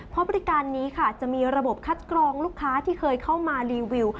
เพราะบริการนี้ค่ะจะมีระบบคัดกรองลูกค้าที่เคยเข้ามารีวิว